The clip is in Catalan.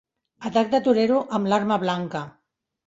Atac de torero amb l'arma blanca.